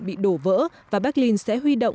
bị đổ vỡ và berlin sẽ huy động